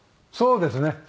そうですね。